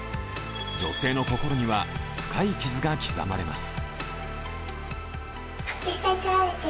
女性の心には深い傷が刻まれます。